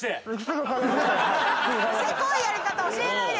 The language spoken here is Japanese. セコいやり方教えないでよ。